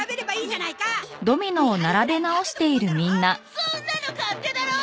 そんなの勝手だろ！